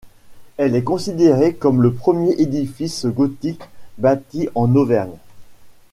Elle est considérée comme le premier édifice gothique bâti en Auvergne.